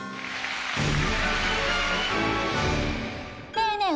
ねえねえ